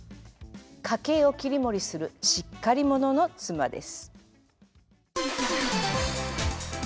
家計をきりもりするしっかり者の妻です。